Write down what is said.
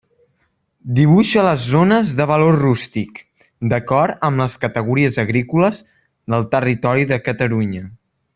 Dibuixa les zones de valor rústic, d'acord amb les categories agrícoles del territori de Catalunya.